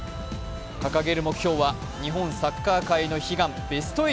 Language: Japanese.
掲げる目標は日本サッカー界の悲願、ベスト８。